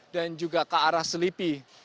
dan juga ke arah selipi